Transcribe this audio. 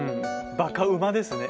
バカうまですね。